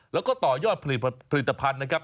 แล้วก็ต่อยอดผลิตภัณฑ์นะครับ